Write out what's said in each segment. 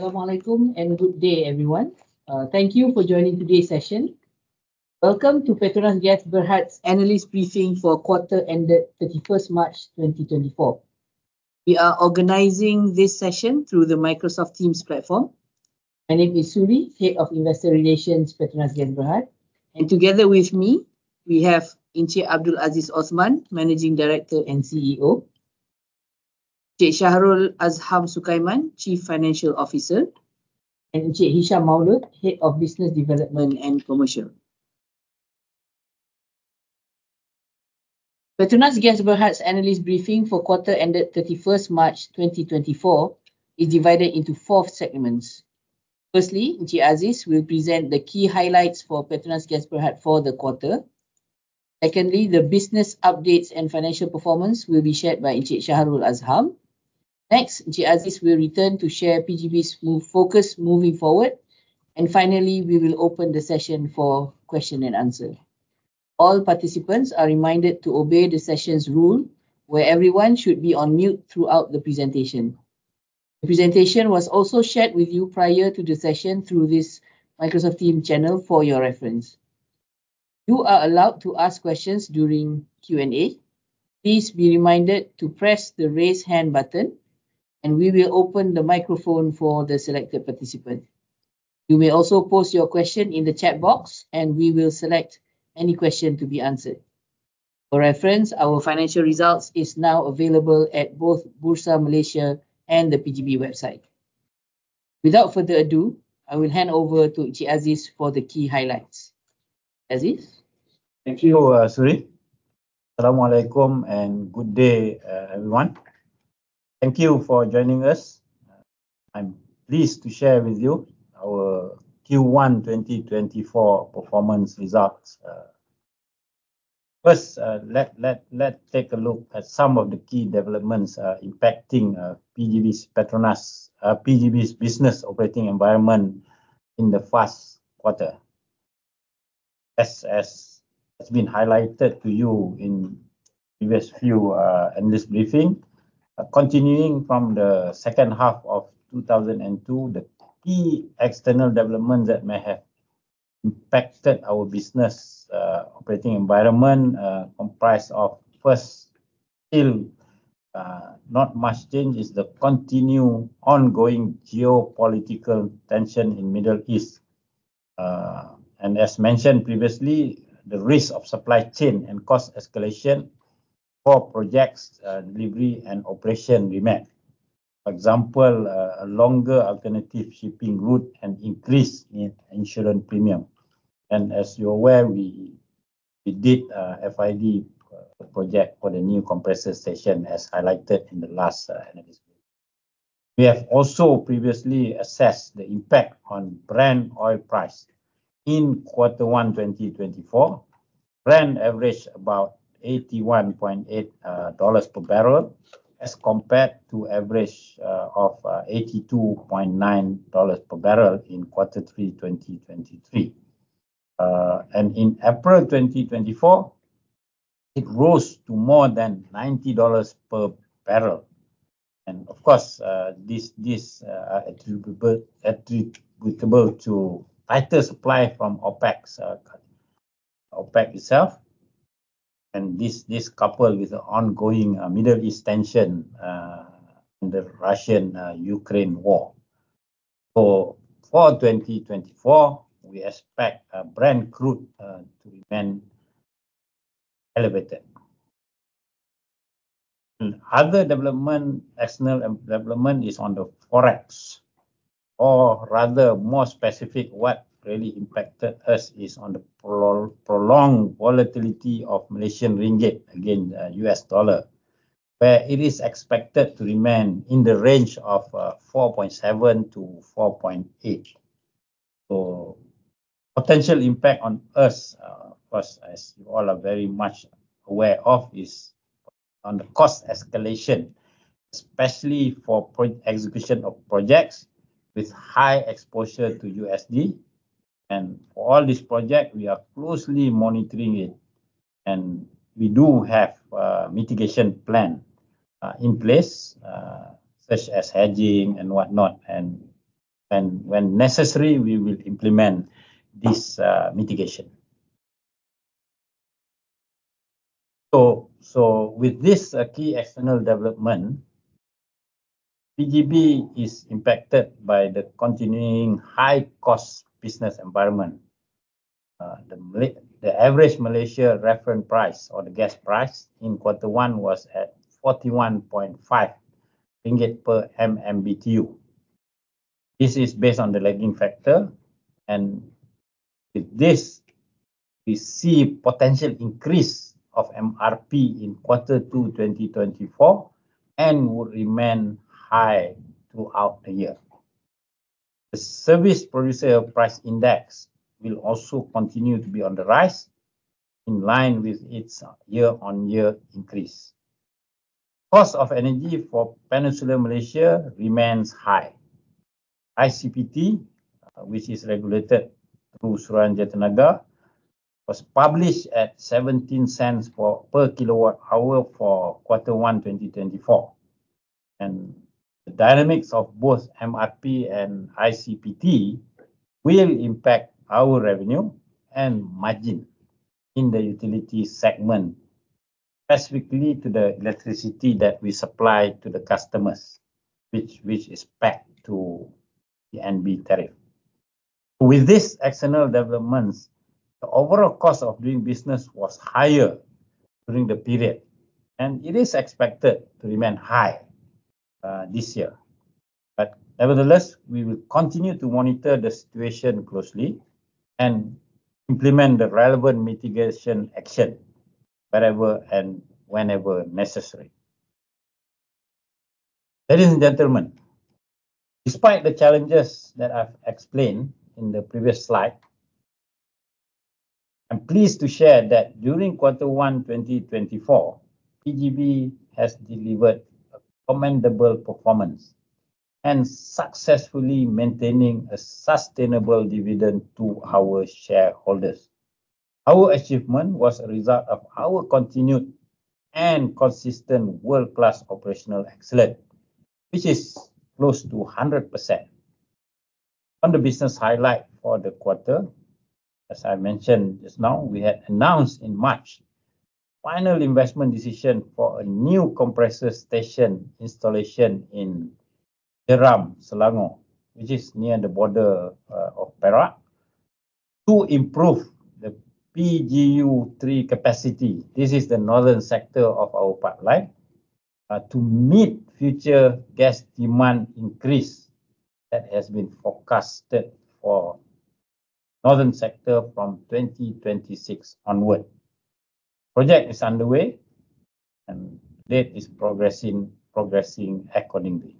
Assalamualaikum and good day, everyone. Thank you for joining today's session. Welcome to PETRONAS Gas Berhad's analyst briefing for quarter ended 31 March 2024. We are organizing this session through the Microsoft Teams platform. My name is Suri, Head of Investor Relations, PETRONAS Gas Berhad, and together with me, we have Encik Abdul Aziz Othman, Managing Director and CEO; Encik Shahrul Azham Sukaiman, Chief Financial Officer; and Encik Hisham Ma'il, Head of Business Development and Commercial. PETRONAS Gas Berhad's analyst briefing for quarter ended 31 March 2024 is divided into four segments. Firstly, Encik Aziz will present the key highlights for PETRONAS Gas Berhad for the quarter. Secondly, the business updates and financial performance will be shared by Encik Shahrul Azham. Next, Encik Aziz will return to share PGB's move focus moving forward, and finally, we will open the session for question and answer. All participants are reminded to obey the session's rule, where everyone should be on mute throughout the presentation. The presentation was also shared with you prior to the session through this Microsoft Teams channel for your reference. You are allowed to ask questions during Q&A. Please be reminded to press the Raise Hand button, and we will open the microphone for the selected participant. You may also post your question in the chat box, and we will select any question to be answered. For reference, our financial results is now available at both Bursa Malaysia and the PGB website. Without further ado, I will hand over to Encik Aziz for the key highlights. Aziz? Thank you, Suri. Assalamualaikum, and good day, everyone. Thank you for joining us. I'm pleased to share with you our Q1 2024 performance results. First, let's take a look at some of the key developments impacting PGB's PETRONAS PGB's business operating environment in the first quarter. As has been highlighted to you in previous few analyst briefing, continuing from the second half of 2022, the key external development that may have impacted our business operating environment comprised of, first, still not much change, is the continued ongoing geopolitical tension in Middle East. As mentioned previously, the risk of supply chain and cost escalation for projects delivery and operation remain. For example, a longer alternative shipping route and increase in insurance premium. As you're aware, we did a FID project for the new compressor station, as highlighted in the last analyst briefing. We have also previously assessed the impact on Brent oil price. In quarter one, 2024, Brent averaged about $81.8 per barrel, as compared to average of $82.9 per barrel in quarter three, 2023. And in April 2024, it rose to more than $90 per barrel, and of course, this attributable to tighter supply from OPEC, OPEC itself, and this coupled with the ongoing Middle East tension, and the Russia-Ukraine war. So for 2024, we expect Brent crude to remain elevated. The other development, external development, is on the Forex, or rather, more specific, what really impacted us is on the prolonged volatility of Malaysian ringgit against U.S. dollar, where it is expected to remain in the range of 4.7-4.8. So potential impact on us, first, as you all are very much aware of, is on the cost escalation, especially for project execution of projects with high exposure to USD. And for all this project, we are closely monitoring it, and we do have mitigation plan in place, such as hedging and whatnot, and when necessary, we will implement this mitigation. So with this key external development, PGB is impacted by the continuing high-cost business environment. The average Malaysia Reference Price or the gas price in quarter one was at 41.5 ringgit per MMBTU. This is based on the lagging factor, and with this, we see potential increase of MRP in quarter two, 2024, and will remain high throughout the year. The service producer price index will also continue to be on the rise, in line with its year-on-year increase. Cost of energy for Peninsular Malaysia remains high. ICPT, which is regulated through Suruhanjaya Tenaga, was published at 0.17 per kWh for quarter one, 2024. The dynamics of both MRP and ICPT will impact our revenue and margin in the utility segment as we lead to the electricity that we supply to the customers, which, which is pegged to the TNB tariff. With these external developments, the overall cost of doing business was higher during the period, and it is expected to remain high this year. Nevertheless, we will continue to monitor the situation closely and implement the relevant mitigation action wherever and whenever necessary. Ladies and gentlemen, despite the challenges that I've explained in the previous slide, I'm pleased to share that during quarter one, 2024, PGB has delivered a commendable performance and successfully maintaining a sustainable dividend to our shareholders. Our achievement was a result of our continued and consistent world-class operational excellence, which is close to 100%. On the business highlight for the quarter, as I mentioned just now, we had announced in March final investment decision for a new compressor station installation in Jeram, Selangor, which is near the border of Perak, to improve the PGU 3 capacity. This is the northern sector of our pipeline to meet future gas demand increase that has been forecasted for northern sector from 2026 onward. Project is underway, and it is progressing accordingly.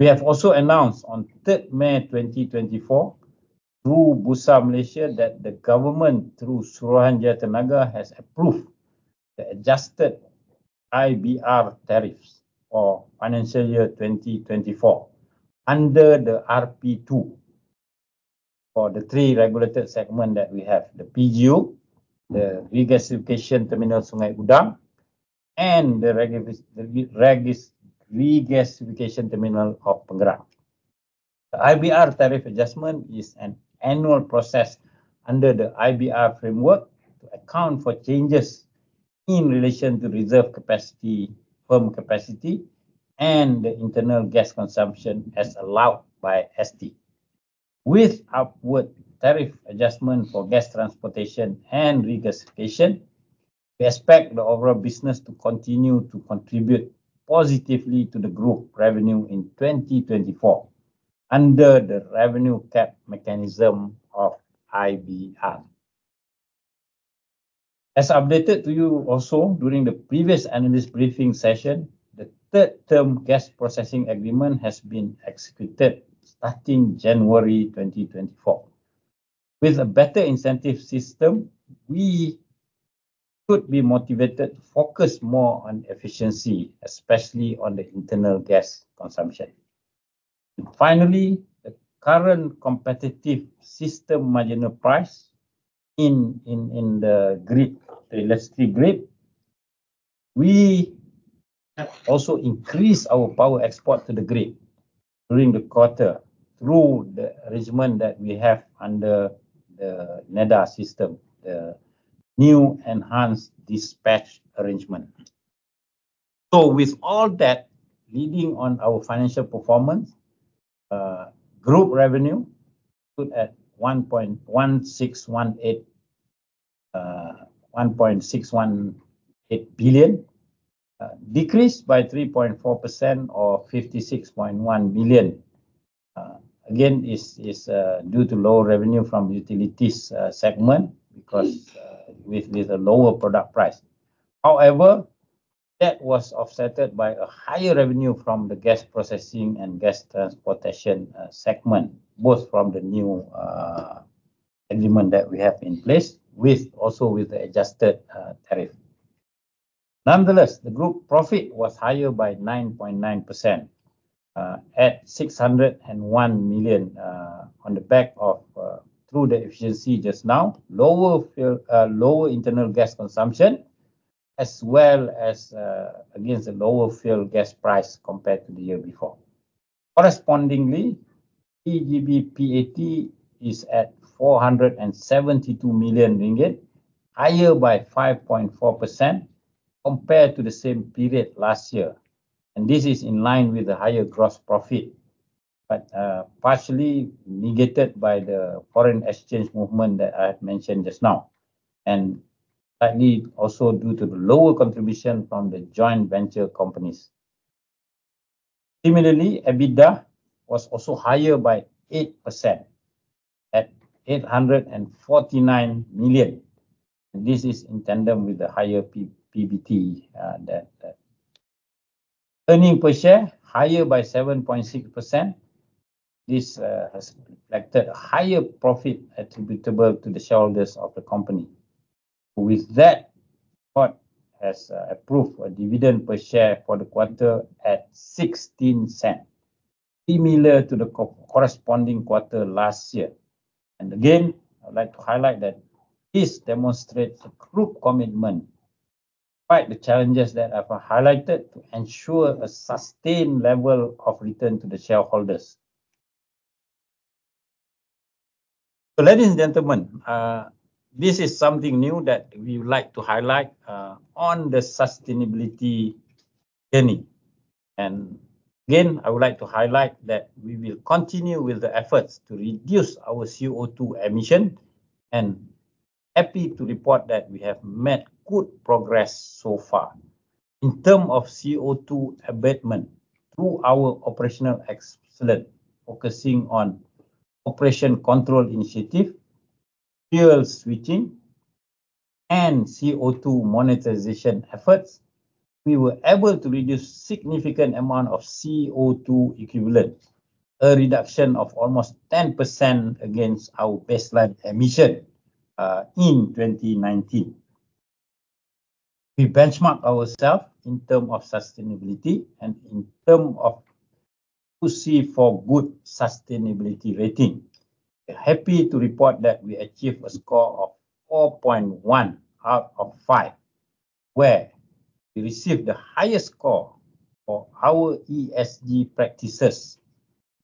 We have also announced on May 3, 2024, through Bursa Malaysia, that the government, through Suruhanjaya Tenaga, has approved the adjusted IBR tariffs for financial year 2024, under the RP2 for the three regulated segment that we have: the PGU, the Regasification Terminal Sungai Udang, and the Regasification Terminal of Pengerang. The IBR tariff adjustment is an annual process under the IBR framework to account for changes in relation to reserve capacity, firm capacity, and the internal gas consumption as allowed by ST. With upward tariff adjustment for gas transportation and regasification, we expect the overall business to continue to contribute positively to the group revenue in 2024 under the revenue cap mechanism of IBR. As updated to you also during the previous analyst briefing session, the third term gas processing agreement has been executed starting January 2024. With a better incentive system, we could be motivated to focus more on efficiency, especially on the internal gas consumption. Finally, the current competitive system marginal price in the grid, the electricity grid, we have also increased our power export to the grid during the quarter through the arrangement that we have under the NEDA system, the new enhanced dispatch arrangement. With all that leading on our financial performance, group revenue stood at 1.618 billion, decreased by 3.4% or 56.1 million. Again, this is due to lower revenue from utilities segment, because with a lower product price. However, that was offset by a higher revenue from the gas processing and gas transportation segment, both from the new agreement that we have in place, also with the adjusted tariff. Nonetheless, the group profit was higher by 9.9% at 601 million, on the back of through the efficiency just now, lower internal gas consumption, as well as against the lower fuel gas price compared to the year before. Correspondingly, PGB PAT is at 472 million ringgit, higher by 5.4% compared to the same period last year, and this is in line with the higher gross profit, but partially negated by the foreign exchange movement that I had mentioned just now, and slightly also due to the lower contribution from the joint venture companies. Similarly, EBITDA was also higher by 8%, at 849 million, and this is in tandem with the higher PBT. Earnings per share, higher by 7.6%. This has reflected higher profit attributable to the shareholders of the company. With that, board has approved a dividend per share for the quarter at 16 sen, similar to the corresponding quarter last year. And again, I'd like to highlight that this demonstrates a group commitment, despite the challenges that I've highlighted, to ensure a sustained level of return to the shareholders. So ladies and gentlemen, this is something new that we would like to highlight, on the sustainability journey. And again, I would like to highlight that we will continue with the efforts to reduce our CO2 emissions, and happy to report that we have made good progress so far. In terms of CO2 abatement through our operational excellence, focusing on operation control initiative, fuel switching, and CO2 monetization efforts, we were able to reduce significant amount of CO2 equivalent, a reduction of almost 10% against our baseline emissions, in 2019. We benchmark ourselves in terms of sustainability and in terms of to see for good sustainability rating. We're happy to report that we achieved a score of 4.1 out of 5, where we received the highest score for our ESG practices,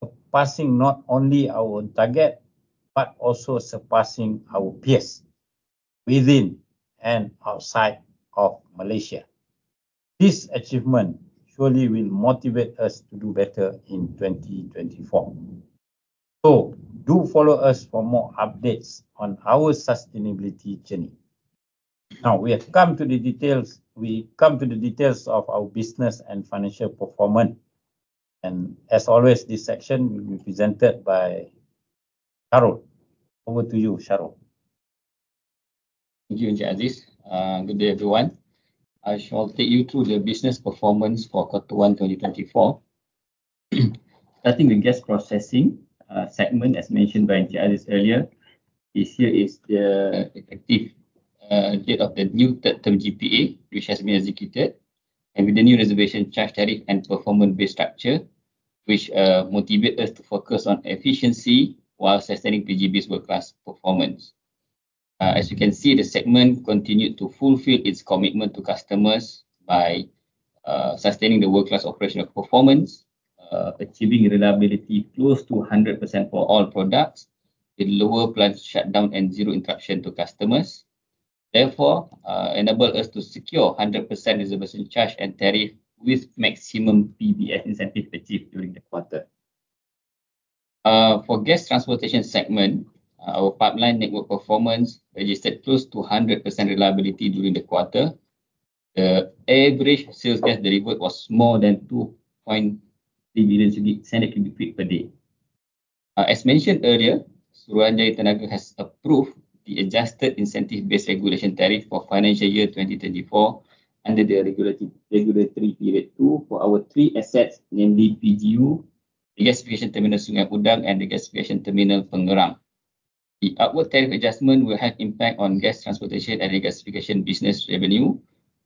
surpassing not only our own target, but also surpassing our peers within and outside of Malaysia. This achievement surely will motivate us to do better in 2024. So do follow us for more updates on our sustainability journey. Now, we come to the details of our business and financial performance, and as always, this section will be presented by Shahrul. Over to you, Shahrul. Thank you, Encik Aziz. Good day, everyone. I shall take you through the business performance for quarter one, 2024. Starting with gas processing segment, as mentioned by Encik Aziz earlier, this year is the effective date of the new third term GPA, which has been executed, and with the new reservation charge tariff and performance-based structure, which motivate us to focus on efficiency while sustaining PGB's world-class performance. As you can see, the segment continued to fulfill its commitment to customers by sustaining the world-class operational performance, achieving reliability close to 100% for all products. It lower plant shutdown and zero interruption to customers. Therefore, enable us to secure 100% reservation charge and tariff with maximum PBS incentive achieved during the quarter. For gas transportation segment, our pipeline network performance registered close to 100% reliability during the quarter. The average sales gas delivered was more than 2.3 million standard cubic feet per day. As mentioned earlier, Suruhanjaya Tenaga has approved the adjusted incentive-based regulation tariff for financial year 2024 under the Regulatory Period 2 for our three assets, namely PGU, Regasification Terminal Sungai Udang, and Regasification Terminal Pengerang. The upward tariff adjustment will have impact on gas transportation and regasification business revenue.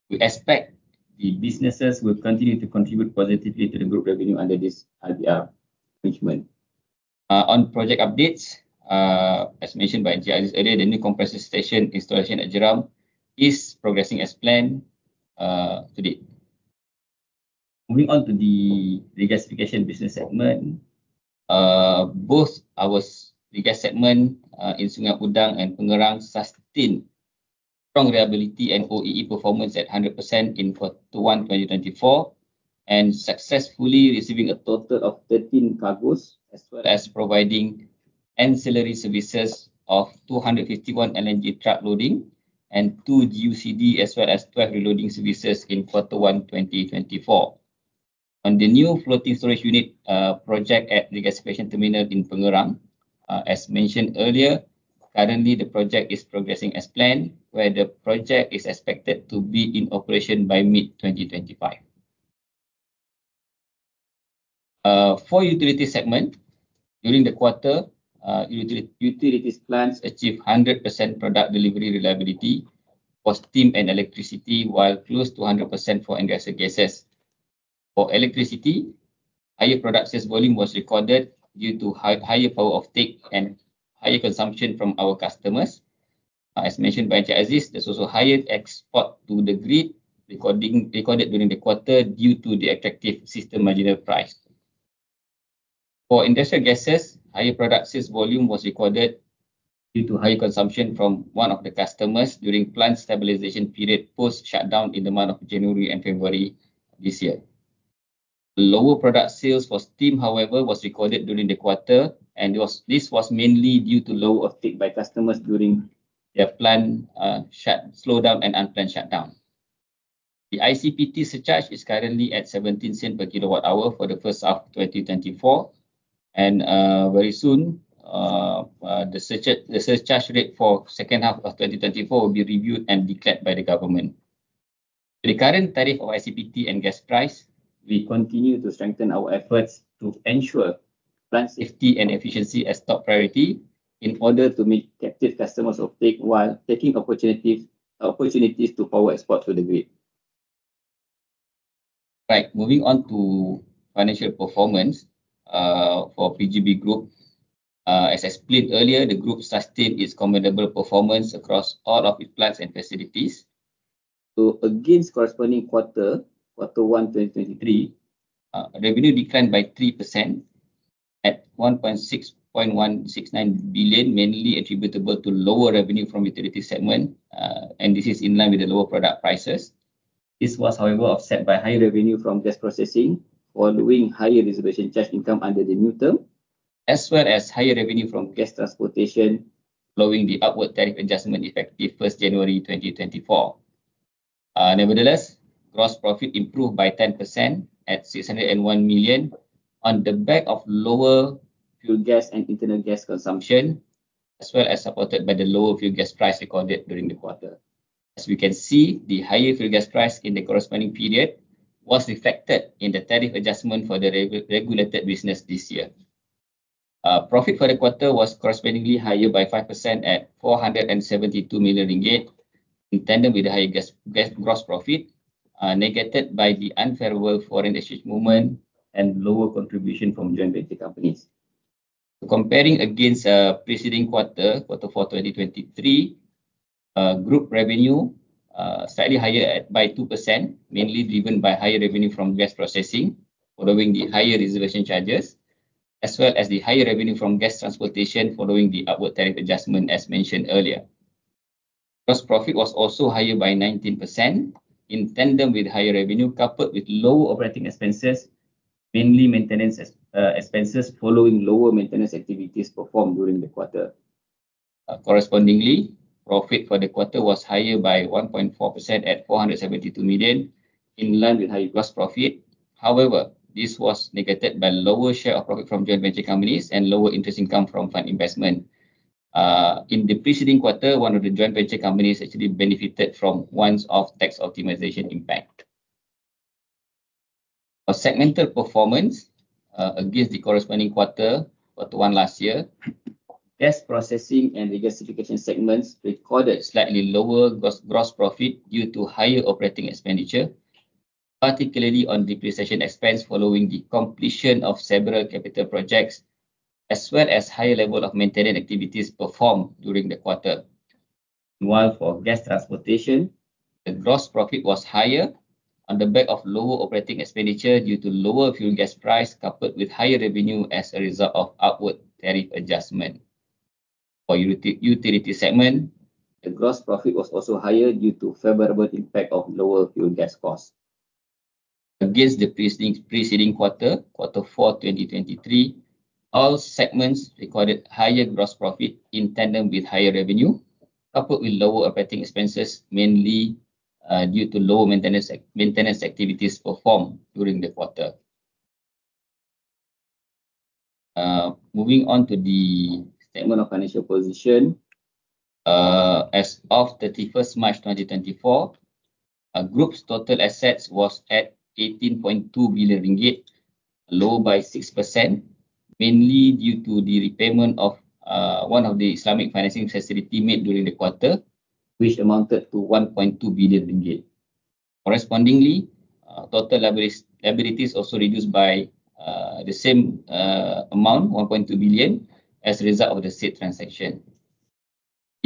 We expect the businesses will continue to contribute positively to the group revenue under this IBR arrangement. On project updates, as mentioned by Encik Aziz earlier, the new compressor station installation at Jeram is progressing as planned to date. Moving on to the regasification business segment. Both our regas segment in Sungai Udang and Pengerang sustained strong reliability and OEE performance at 100% in quarter one, 2024, and successfully receiving a total of 13 cargos, as well as providing ancillary services of 251 LNG truck loading and two GUCD, as well as 12 reloading services in quarter one, 2024. On the new floating storage unit project at regasification terminal in Pengerang, as mentioned earlier, currently the project is progressing as planned, where the project is expected to be in operation by mid-2025. For utility segment, during the quarter, utilities plants achieved 100% product delivery reliability for steam and electricity, while close to 100% for industrial gases. For electricity, higher product sales volume was recorded due to higher power off-take and higher consumption from our customers. As mentioned by Encik Aziz, there's also higher export to the grid recorded during the quarter due to the attractive system marginal price. For industrial gases, higher product sales volume was recorded due to higher consumption from one of the customers during plant stabilization period, post shutdown in the month of January and February this year. Lower product sales for steam, however, was recorded during the quarter, and this was mainly due to low off-take by customers during their plant slowdown and unplanned shutdown. The ICPT surcharge is currently at 17 sen per kWh for the first half of 2024, and very soon, the surcharge rate for second half of 2024 will be reviewed and declared by the government. The current tariff of ICPT and gas price, we continue to strengthen our efforts to ensure plant safety and efficiency as top priority in order to meet captive customers of take, while taking opportunities, opportunities to forward export to the grid. Right, moving on to financial performance, for PGB Group. As I explained earlier, the group sustained its commendable performance across all of its plants and facilities. Against corresponding quarter, Q1 2023, revenue declined by 3% at 1.6169 billion, mainly attributable to lower revenue from utility segment. And this is in line with the lower product prices. This was, however, offset by higher revenue from gas processing, following higher reservation charge income under the new term, as well as higher revenue from gas transportation, following the upward tariff adjustment effective January 1, 2024. Nevertheless, gross profit improved by 10% at 601 million on the back of lower fuel gas and internal gas consumption, as well as supported by the lower fuel gas price recorded during the quarter. As we can see, the higher fuel gas price in the corresponding period was reflected in the tariff adjustment for the regulated business this year. Profit for the quarter was correspondingly higher by 5% at 472 million ringgit, in tandem with the higher gross profit, negated by the unfavorable foreign exchange movement and lower contribution from joint venture companies. Comparing against preceding quarter, quarter four, 2023, group revenue slightly higher by 2%, mainly driven by higher revenue from gas processing, following the higher reservation charges, as well as the higher revenue from gas transportation, following the upward tariff adjustment, as mentioned earlier. Gross profit was also higher by 19%, in tandem with higher revenue, coupled with low operating expenses, mainly maintenance expenses, following lower maintenance activities performed during the quarter. Correspondingly, profit for the quarter was higher by 1.4% at 472 million, in line with higher gross profit. However, this was negated by lower share of profit from joint venture companies and lower interest income from fund investment. In the preceding quarter, one of the joint venture companies actually benefited from one-off tax optimization impact. For segmental performance, against the corresponding quarter one last year, gas processing and regasification segments recorded slightly lower gross profit due to higher operating expenditure, particularly on depreciation expense, following the completion of several capital projects, as well as higher level of maintenance activities performed during the quarter. While for gas transportation, the gross profit was higher on the back of lower operating expenditure due to lower fuel gas price, coupled with higher revenue as a result of upward tariff adjustment. For utility segment, the gross profit was also higher due to favorable impact of lower fuel gas costs. Against the preceding quarter, quarter four, 2023, all segments recorded higher gross profit in tandem with higher revenue, coupled with lower operating expenses, mainly due to lower maintenance activities performed during the quarter. Moving on to the statement of financial position. As of 31 March 2024, our group's total assets was at 18.2 billion ringgit, low by 6%, mainly due to the repayment of one of the Islamic financing facility made during the quarter, which amounted to 1.2 billion ringgit. Correspondingly, total liabilities, liabilities also reduced by the same amount, 1.2 billion, as a result of the said transaction.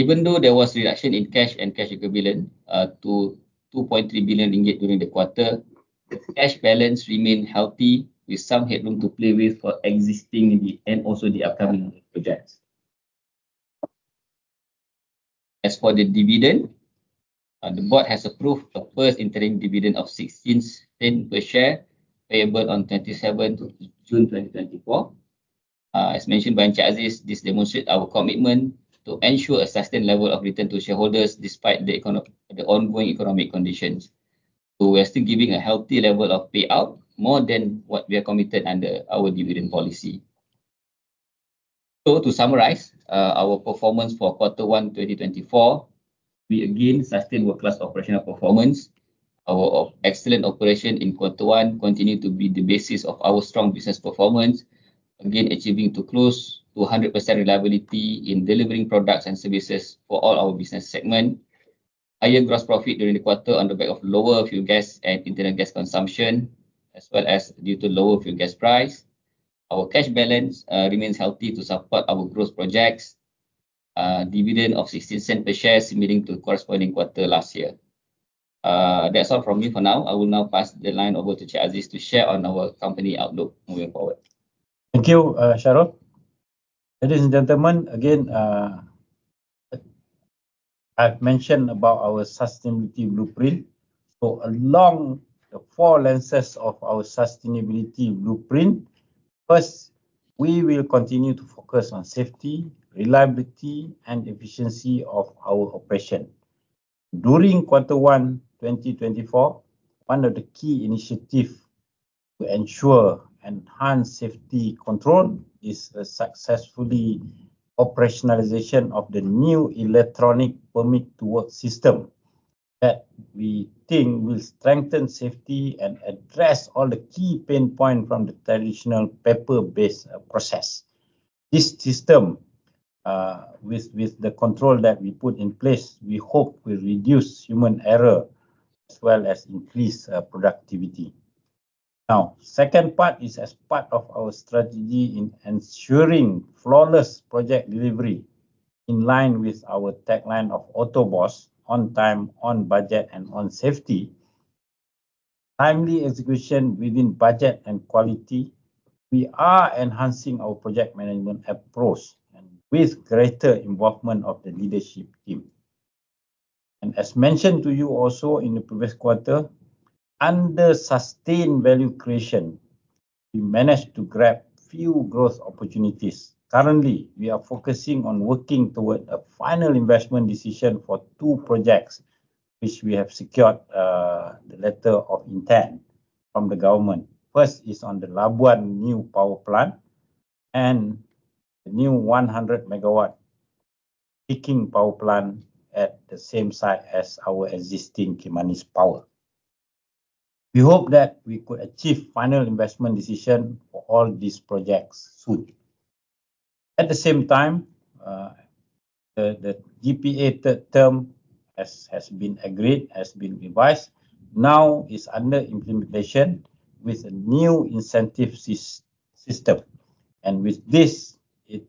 Even though there was reduction in cash and cash equivalent to 2.3 billion ringgit during the quarter, cash balance remained healthy, with some headroom to play with for existing and also the upcoming projects. As for the dividend, the board has approved the first interim dividend of 0.16 per share, payable on 27 June 2024. As mentioned by Encik Aziz, this demonstrates our commitment to ensure a sustained level of return to shareholders despite the ongoing economic conditions. We're still giving a healthy level of payout, more than what we are committed under our dividend policy. To summarize, our performance for quarter one 2024 we again sustained world-class operational performance. Our excellent operation in quarter one continued to be the basis of our strong business performance, again achieving to close to 100% reliability in delivering products and services for all our business segment. Higher gross profit during the quarter on the back of lower fuel gas and internal gas consumption, as well as due to lower fuel gas price. Our cash balance remains healthy to support our growth projects. Dividend of 0.16 per share, similar to corresponding quarter last year. That's all from me for now. I will now pass the line over to Encik Aziz to share on our company outlook moving forward. Thank you, Shahrul. Ladies and gentlemen, again, I've mentioned about our sustainability blueprint. So along the four lenses of our sustainability blueprint, first, we will continue to focus on safety, reliability, and efficiency of our operation. During quarter one, 2024, one of the key initiatives to ensure enhanced safety control is a successful operationalization of the new electronic permit to work system that we think will strengthen safety and address all the key pain points from the traditional paper-based process. This system, with the control that we put in place, we hope will reduce human error as well as increase productivity. Now, second part is as part of our strategy in ensuring flawless project delivery, in line with our tagline of OTOBOS: On time, on budget, and on safety. Timely execution within budget and quality. We are enhancing our project management approach and with greater involvement of the leadership team. As mentioned to you also in the previous quarter, under sustained value creation, we managed to grab few growth opportunities. Currently, we are focusing on working toward a final investment decision for two projects, which we have secured the letter of intent from the government. First is on the Labuan new power plant and the new 100-megawatt peaking power plant at the same site as our existing Kimanis Power. We hope that we could achieve final investment decision for all these projects soon. At the same time, the GPA third term has been agreed, has been revised. Now is under implementation with a new incentive system, and with this, it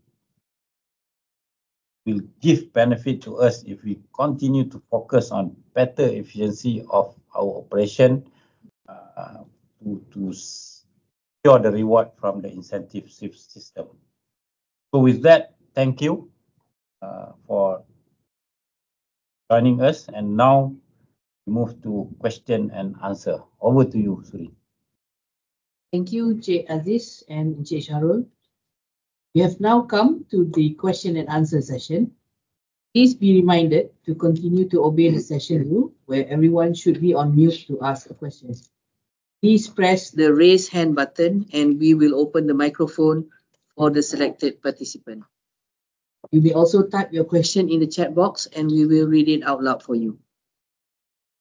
will give benefit to us if we continue to focus on better efficiency of our operation, to secure the reward from the incentive system. So with that, thank you for joining us, and now we move to question and answer. Over to you, Suri. Thank you, Abdul Aziz and Shahrul. We have now come to the question and answer session. Please be reminded to continue to obey the session rule, where everyone should be on mute to ask questions. Please press the raise hand button, and we will open the microphone for the selected participant. You may also type your question in the chat box, and we will read it out loud for you.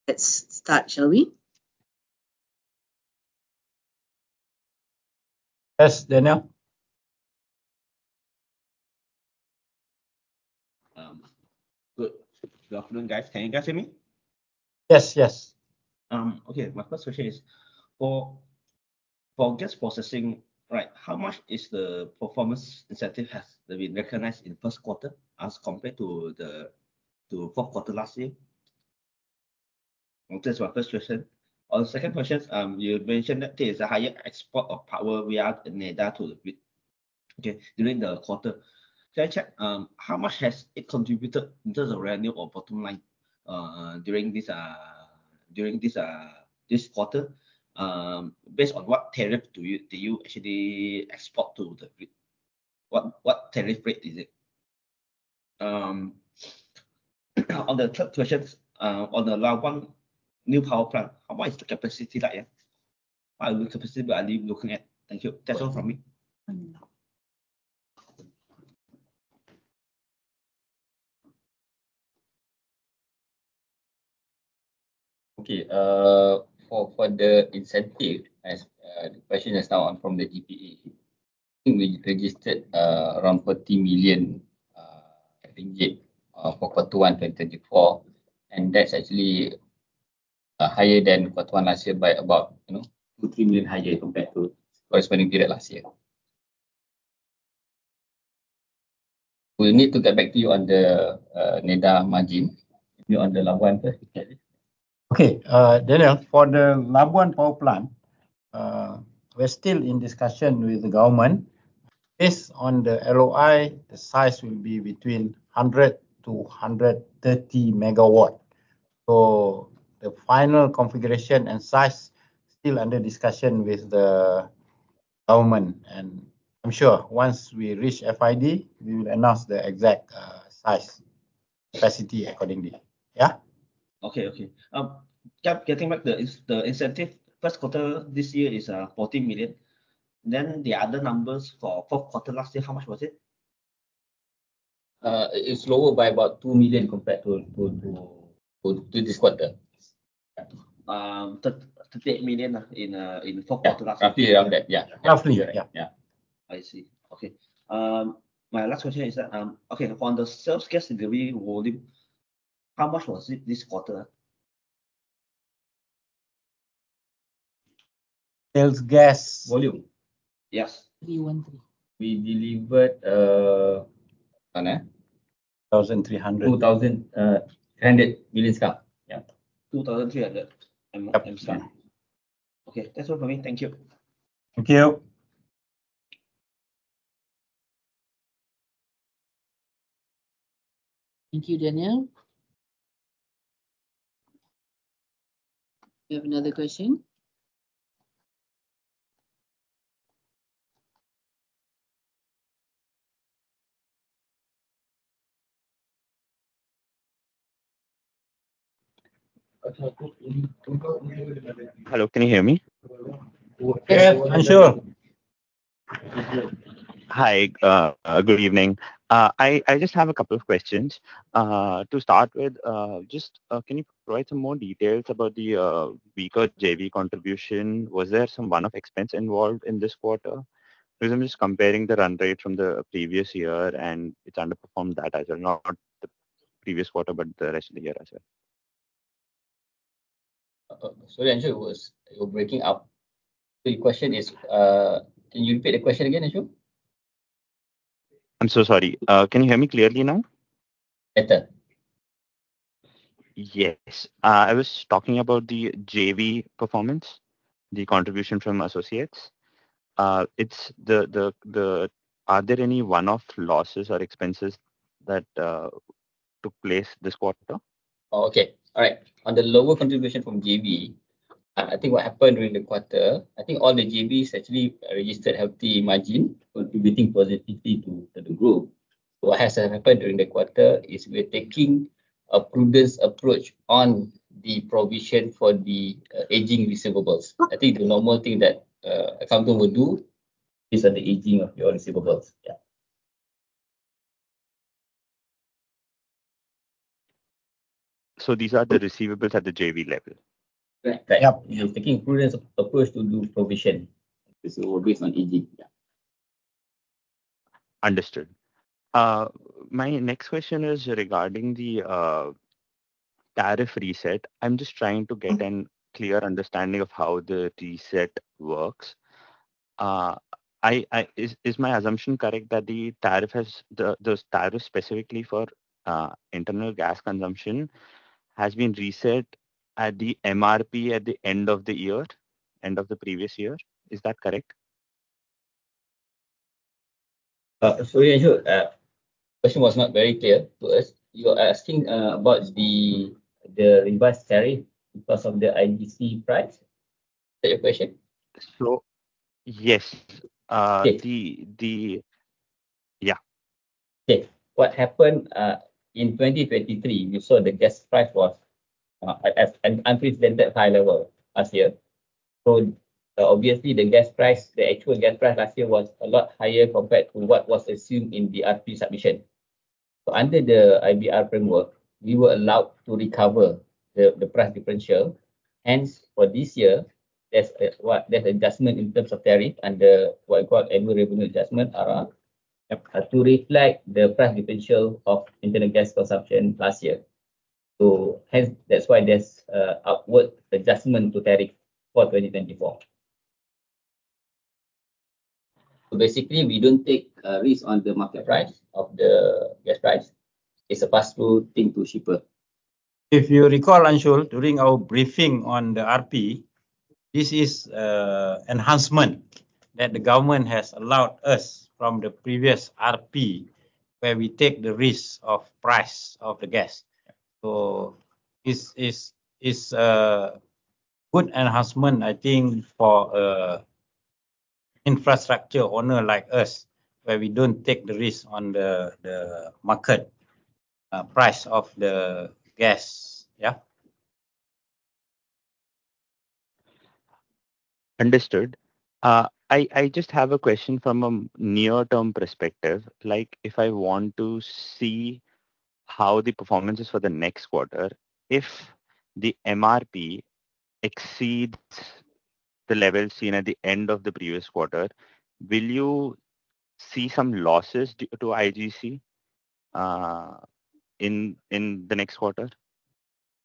Let's start, shall we? Yes, Daniel. Good. Good afternoon, guys. Can you guys hear me? Yes. Yes. Okay. My first question is, for gas processing, right, how much is the performance incentive has been recognized in the first quarter as compared to the fourth quarter last year? That's my first question. On the second question, you mentioned that there is a higher export of power via NEDA to the grid, okay, during the quarter. Can I check, how much has it contributed in terms of revenue or bottom line, during this quarter? Based on what tariff do you actually export to the grid? What tariff rate is it? On the third question, on the Labuan new power plant, what is the capacity like, yeah? What capacity are you looking at? Thank you. That's all from me. Okay, for the incentive, as the question is now on from the GPA. I think we registered around 40 million ringgit for quarter one, 2024, and that's actually higher than quarter one last year by about, you know, 50 million higher compared to corresponding period last year. We'll need to get back to you on the NEDA margin. You on the Labuan first, okay? Okay, Daniel, for the Labuan power plant, we're still in discussion with the government. Based on the LOI, the size will be between 100-130 megawatt. So the final configuration and size still under discussion with the government, and I'm sure once we reach FID, we will announce the exact, size, capacity accordingly. Yeah? Okay. Okay. Yeah, getting back to the incentive, first quarter this year is 40 million. Then the other numbers for fourth quarter last year, how much was it? It's lower by about 2 million compared to this quarter. 38 million in fourth quarter last year. Yeah, roughly around that. Yeah. Roughly, yeah. Yeah. I see. Okay. My last question is that, okay, on the sales gas delivery volume, how much was it this quarter? Sales gas- Volume. Yes. 313. We delivered, 1,300 2,300 MMscfd. Yeah. 2,300 MMscfd. Yep. Okay, that's all from me. Thank you. Thank you. Thank you, Daniel. Do you have another question? ... Hello, can you hear me? Yes, Anshool. Hi, good evening. I just have a couple of questions. To start with, just, can you provide some more details about the weaker JV contribution? Was there some one-off expense involved in this quarter? Because I'm just comparing the run rate from the previous year, and it's underperformed that as well, not the previous quarter, but the rest of the year as well. Sorry, Anshool, you're breaking up. So your question is... Can you repeat the question again, Anshool? I'm so sorry. Can you hear me clearly now? Better. Yes. I was talking about the JV performance, the contribution from associates. It's the-- Are there any one-off losses or expenses that took place this quarter? Oh, okay. All right. On the lower contribution from JV, I think what happened during the quarter, I think all the JVs actually registered healthy margin, contributing positively to, to the group. So what has happened during the quarter is we're taking a prudent approach on the provision for the, aging receivables. I think the normal thing that, accountant will do is at the aging of your receivables. Yeah. These are the receivables at the JV level? Right. Right. Yeah. We are taking a prudent approach to do provision. This is all based on aging. Yeah. Understood. My next question is regarding the tariff reset. I'm just trying to get a clear understanding of how the reset works. Is my assumption correct that the tariff has... the tariff specifically for internal gas consumption has been reset at the MRP at the end of the year, end of the previous year? Is that correct? Sorry, Anshool, the question was not very clear to us. You're asking about the revised tariff because of the IGC price? Is that your question? So, yes. Okay. Yeah. Okay. What happened in 2023, you saw the gas price was at an unprecedented high level last year. So obviously, the gas price, the actual gas price last year was a lot higher compared to what was assumed in the RP submission. So under the IBR framework, we were allowed to recover the price differential. Hence, for this year, there's adjustment in terms of tariff under what you call Annual Revenue Adjustment, ARA, to reflect the price differential of internal gas consumption last year. So hence, that's why there's a upward adjustment to tariff for 2024. So basically, we don't take risk on the market price of the gas price. It's a pass-through thing to shipper. If you recall, Anshool, during our briefing on the RP, this is enhancement that the government has allowed us from the previous RP, where we take the risk of price of the gas. So it's good enhancement, I think, for infrastructure owner like us, where we don't take the risk on the market price of the gas. Yeah. Understood. I just have a question from a near-term perspective. Like, if I want to see how the performance is for the next quarter, if the MRP exceeds the level seen at the end of the previous quarter, will you see some losses due to IGC in the next quarter?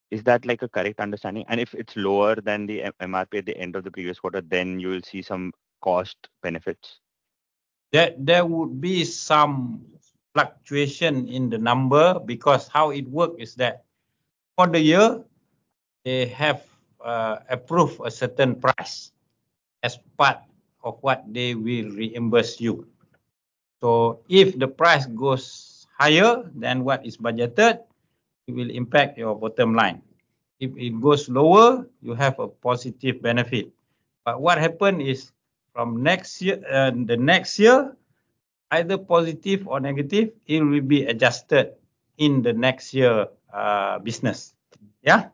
Is that, like, a correct understanding? And if it's lower than the MRP at the end of the previous quarter, then you will see some cost benefits. There, there would be some fluctuation in the number, because how it work is that for the year, they have approved a certain price as part of what they will reimburse you. So if the price goes higher than what is budgeted, it will impact your bottom line. If it goes lower, you have a positive benefit. But what happened is, from next year, the next year, either positive or negative, it will be adjusted in the next year, business. Yeah?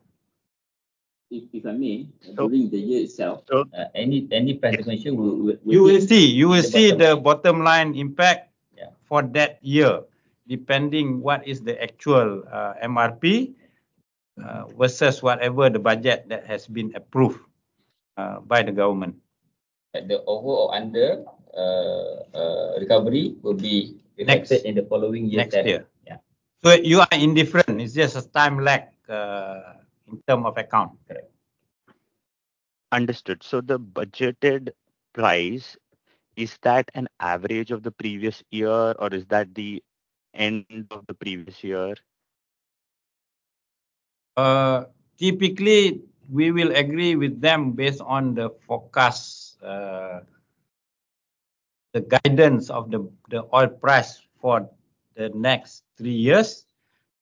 If I may- So-... during the year itself- So- Any presentation will. You will see. You will see the bottom line impact- Yeah... for that year, depending what is the actual MRP versus whatever the budget that has been approved by the government. The over or under recovery will be- Next affected in the following year. Next year. Yeah. So you are indifferent. It's just a time lag, in terms of account. Correct. Understood. So the budgeted price, is that an average of the previous year, or is that the end of the previous year? Typically, we will agree with them based on the forecast, the guidance of the oil price for the next three years,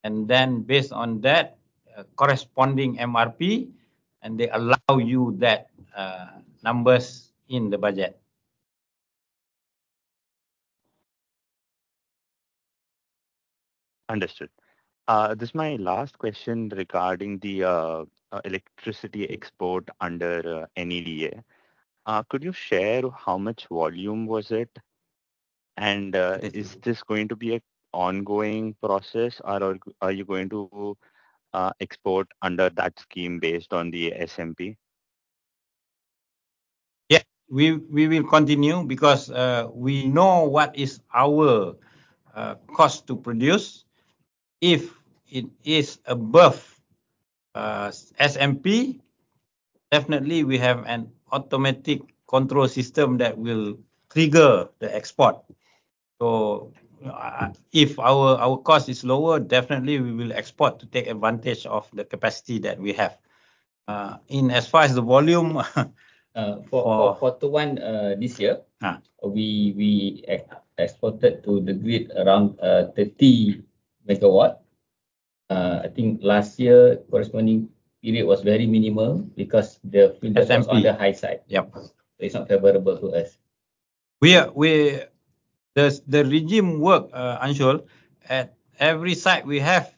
and then based on that, corresponding MRP, and they allow you that numbers in the budget.... Understood. This is my last question regarding the electricity export under NEDA. Could you share how much volume was it? And, is this going to be an ongoing process, or are you going to export under that scheme based on the SMP? Yeah, we will continue because we know what is our cost to produce. If it is above SMP, definitely we have an automatic control system that will trigger the export. So, if our cost is lower, definitely we will export to take advantage of the capacity that we have. In as far as the volume, for quarter one, this year- Uh. We exported to the grid around 30 MW. I think last year corresponding period was very minimal because the wind was- SMP on the high side. Yep. It's not favorable to us. We are. The regime works, Anshool, at every site we have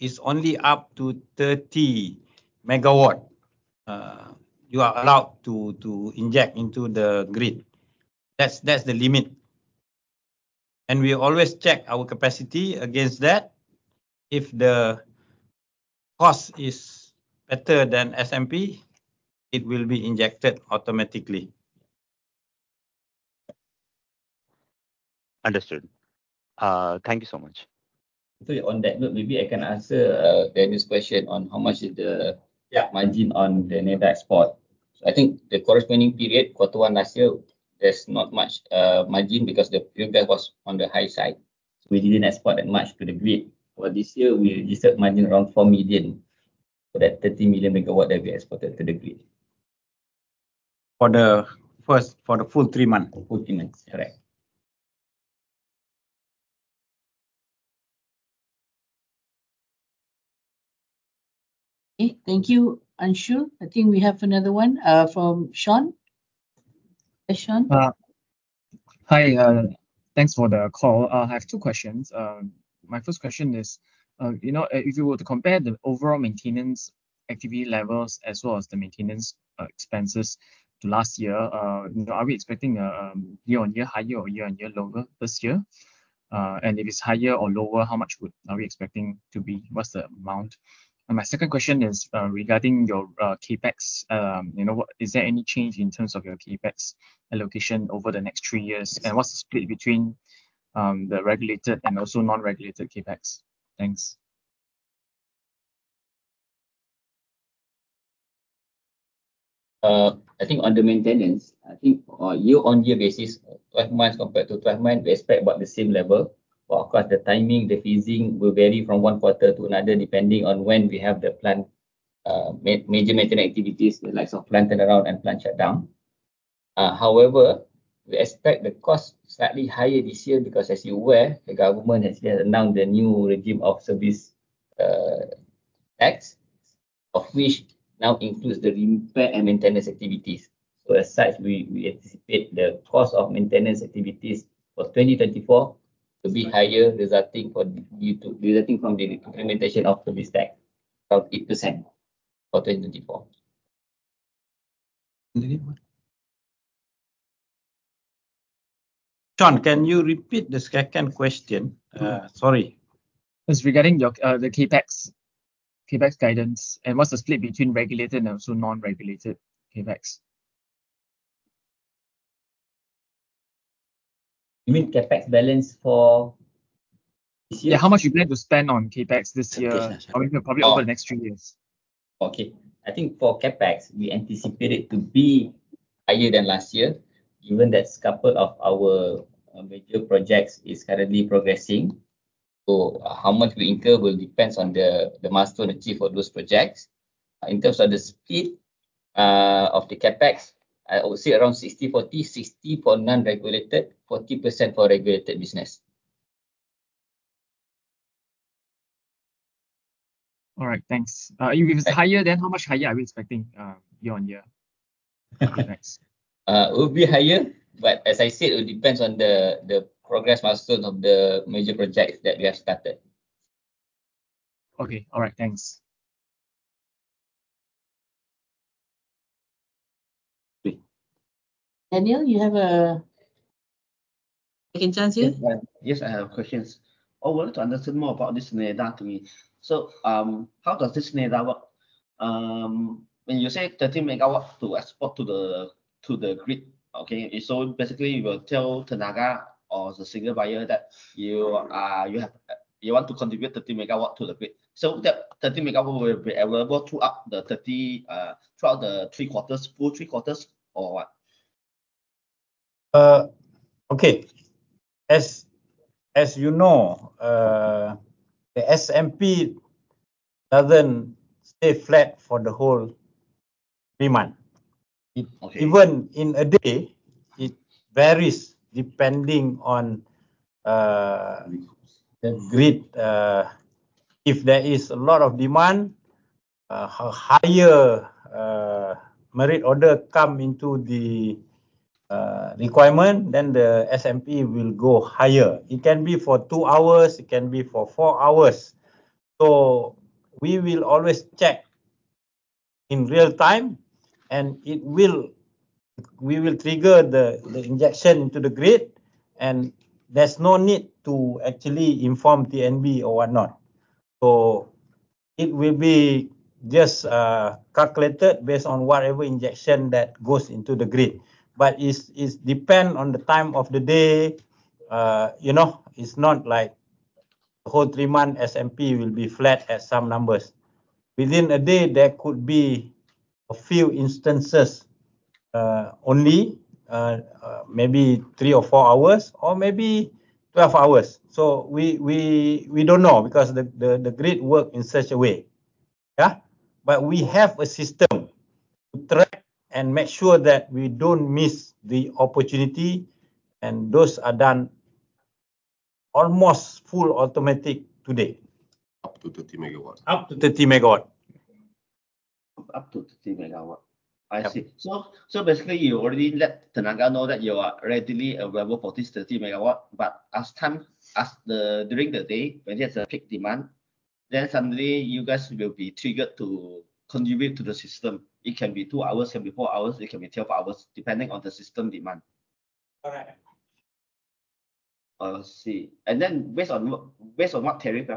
is only up to 30 megawatts. You are allowed to inject into the grid. That's the limit, and we always check our capacity against that. If the cost is better than SMP, it will be injected automatically. Understood. Thank you so much. So on that note, maybe I can answer, Daniel's question on how much is the- Yeah -margin on the NEDA export. I think the corresponding period, quarter one last year, there's not much margin because the feedback was on the high side, so we didn't export that much to the grid. But this year we registered margin around 4 million for that 30 MW that we exported to the grid. For the full three months. Full three months, correct. Thank you, Anshool. I think we have another one from Shan. Hi, Shan. Hi, thanks for the call. I have two questions. My first question is, you know, if you were to compare the overall maintenance activity levels as well as the maintenance expenses to last year, are we expecting a year-on-year higher or year-on-year lower this year? And if it's higher or lower, how much would are we expecting to be? What's the amount? And my second question is, regarding your CapEx. You know, is there any change in terms of your CapEx allocation over the next three years? And what's the split between the regulated and also non-regulated CapEx? Thanks. I think on the maintenance, I think on a year-on-year basis, 12 months compared to 12 months, we expect about the same level. But of course, the timing, the phasing will vary from one quarter to another, depending on when we have the plan, major maintenance activities, the likes of plant turnaround and plant shutdown. However, we expect the cost slightly higher this year because, as you're aware, the government has just announced the new regime of service tax, of which now includes the repair and maintenance activities. So as such, we anticipate the cost of maintenance activities for 2024 to be higher, resulting from the implementation of the service tax of 8% for 2024. Shan, can you repeat the second question? Sorry. It's regarding your CapEx guidance, and what's the split between regulated and also non-regulated CapEx? You mean CapEx balance for this year? Yeah, how much you plan to spend on CapEx this year? CapEx... or even probably over the next three years? Okay. I think for CapEx, we anticipate it to be higher than last year, given that couple of our major projects is currently progressing. So how much we incur will depends on the milestone achieved for those projects. In terms of the split of the CapEx, I would say around 60/40. 60 for non-regulated, 40% for regulated business. All right. Thanks. If it's higher, then how much higher are we expecting year-on-year? It will be higher, but as I said, it will depend on the progress milestone of the major projects that we have started. Okay. All right, thanks. Great. Daniel, you have a second chance here. Yes, I have questions. I wanted to understand more about this NEDA to me. So, how does this NEDA work? When you say 13 MW to export to the, to the grid, okay, so basically you will tell Tenaga or the single buyer that you are, you have, you want to contribute 13 MW to the grid. So that 13 MW will be available throughout the three quarters, full three quarters, or what? Okay. As you know, the SMP doesn't stay flat for the whole three month. Okay. Even in a day, it varies depending on the grid. If there is a lot of demand, higher merit order come into the requirement, then the SMP will go higher. It can be for 2 hours, it can be for 4 hours. So we will always check in real time, and we will trigger the injection to the grid, and there's no need to actually inform TNB or whatnot. So it will be just calculated based on whatever injection that goes into the grid. But it's depend on the time of the day. You know, it's not like the whole three-month SMP will be flat at some numbers. Within a day, there could be a few instances, only maybe 3 or 4 hours or maybe 12 hours. So we don't know because the grid work in such a way. Yeah? But we have a system to track and make sure that we don't miss the opportunity, and those are done almost full automatic today. Up to 30 MW. Up to 30 megawatts. Up to 30 MW. I see. Yeah. So, basically, you already let Tenaga know that you are readily available for this 30 MW, but as time, as the... During the day, when there's a peak demand, then suddenly you guys will be triggered to contribute to the system. It can be 2 hours, it can be 4 hours, it can be 12 hours, depending on the system demand. Correct. I see. And then based on what tariff?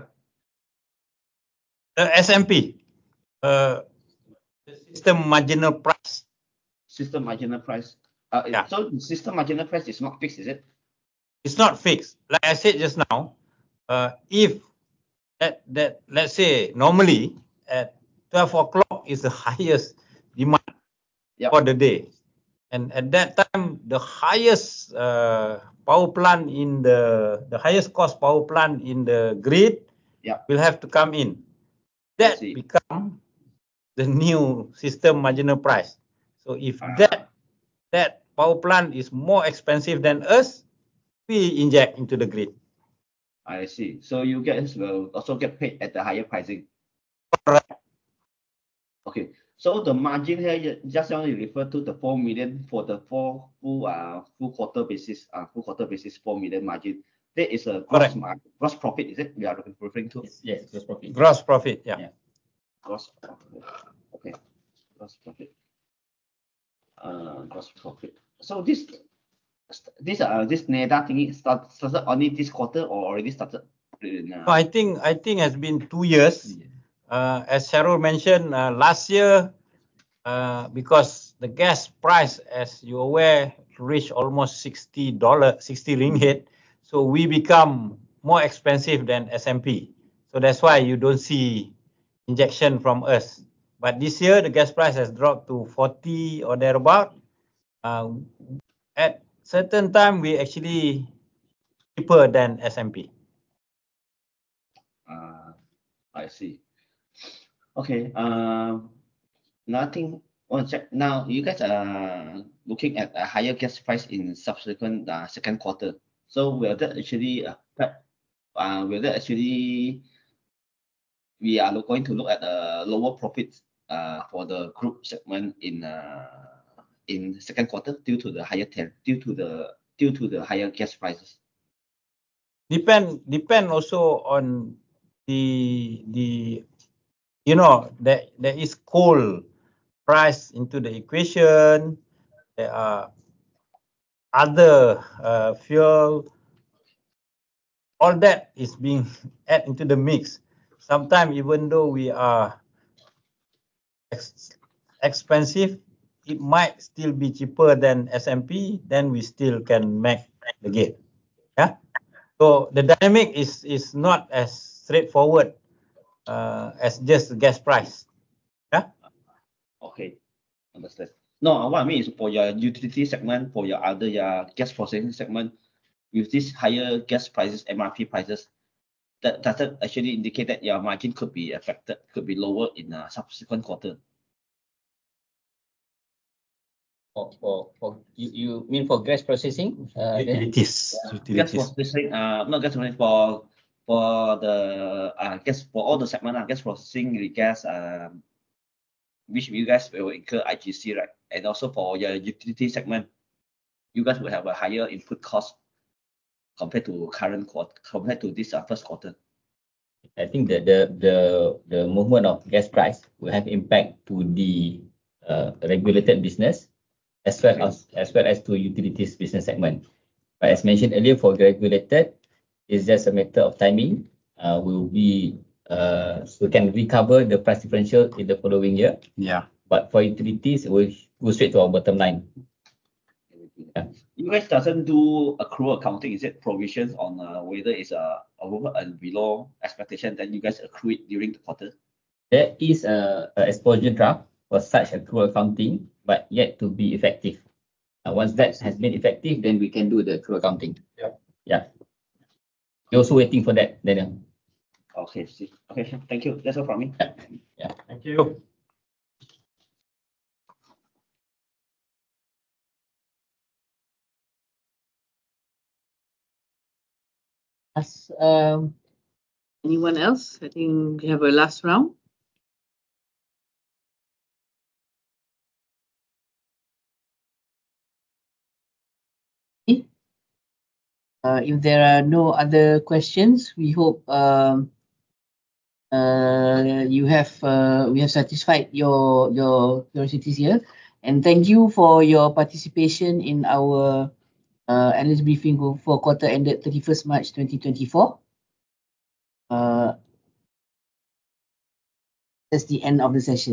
The SMP. The System Marginal Price. System Marginal Price. Yeah. The System Marginal Price is not fixed, is it? It's not fixed. Like I said just now, if at that, let's say, normally at 12:00 is the highest demand- Yeah... for the day, and at that time, the highest cost power plant in the grid- Yeah... will have to come in. I see. That becomes the new System Marginal Price. Ah. So if that power plant is more expensive than us, we inject into the grid. I see. So you guys will also get paid at the higher pricing. Correct. Okay. So the margin here, just now you referred to the 4 million for the full quarter basis, 4 million margin. Correct. That is a gross profit, is it, we are referring to? Yes, gross profit. Gross profit, yeah. Yeah. Gross profit. Okay. Gross profit. Gross profit. So this NEDA thingy starts, started only this quarter or already started earlier now? I think it's been two years. Two years. As Shahrul mentioned, last year, because the gas price, as you're aware, reached almost $60 - 60 ringgit, so we become more expensive than SMP. So that's why you don't see injection from us. But this year, the gas price has dropped to 40 or thereabout. At certain time, we're actually cheaper than SMP. I see. Okay, nothing. One sec. Now, you guys are looking at a higher gas price in subsequent second quarter. So will that actually will that actually? We are going to look at lower profits for the group segment in the second quarter due to the higher tariff due to the higher gas prices? Depends, depends also on the... You know, there is coal price into the equation. There are other fuel. All that is being added into the mix. Sometimes, even though we are expensive, it might still be cheaper than SMP, then we still can make the gain. Yeah? So the dynamic is not as straightforward as just gas price. Yeah? Okay. Understood. No, what I mean is for your utility segment, for your other, your gas processing segment, with this higher gas prices, MRP prices, that doesn't actually indicate that your margin could be affected, could be lower in a subsequent quarter. You mean for gas processing? Utilities. Utilities. Gas processing, not gas only, for the gas, for all the segment, gas processing, the gas, which you guys will incur IGC, right? And also for your utility segment, you guys will have a higher input cost compared to this first quarter. I think the movement of gas price will have impact to the regulated business, as well as- Okay... as well as to utilities business segment. But as mentioned earlier, for regulated, it's just a matter of timing. We will be, so we can recover the price differential in the following year. Yeah. But for utilities, it will go straight to our bottom line. Utilities. Yeah. You guys doesn't do accrual accounting, is it, provisions on whether it's above or below expectation, then you guys accrue it during the quarter? There is an exposure draft for such accrual accounting, but yet to be effective. Once that has been effective, then we can do the accrual accounting. Yeah. Yeah. We're also waiting for that, Daniel. Okay, I see. Okay, thank you. That's all from me. Yeah. Thank you. Yes, anyone else? I think we have a last round. If there are no other questions, we hope you have, we have satisfied your, your curiosities here. Thank you for your participation in our analyst briefing for quarter ended 31st March, 2024. That's the end of the session.